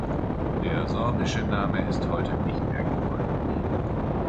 Der sorbische Name ist heute nicht mehr gebräuchlich.